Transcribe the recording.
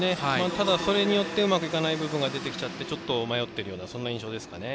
ただ、それによってうまくいかない部分が出てきてちょっと迷っている印象ですかね。